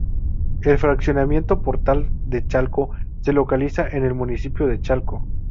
El fraccionamiento Portal de Chalco se localiza en el municipio de Chalco.